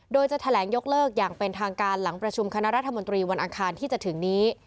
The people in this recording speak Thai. โดยจะแถลงยกเลิกอย่างเป็นทางการหลังประชุมคณะรัฐมนตรีวันอังคารที่จะถึงนี้